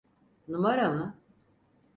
Numara mı?